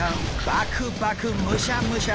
バクバクむしゃむしゃ。